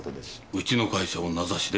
うちの会社を名指しで？